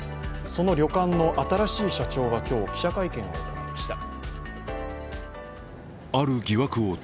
その旅館の新しい社長が今日記者会見を行いました。